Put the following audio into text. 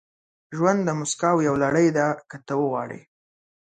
• ژوند د موسکاو یوه لړۍ ده، که ته وغواړې.